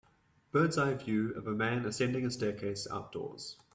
Bird s eye view of a man ascending a staircase outdoors